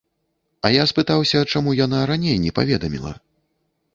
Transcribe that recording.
А я спытаўся, чаму яна раней не паведаміла.